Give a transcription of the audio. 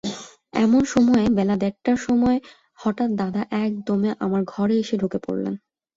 এমন সময়ে বেলা দেড়টার সময় হঠাৎ দাদা একদমে আমার ঘরে এসে ঢুকে পড়লেন।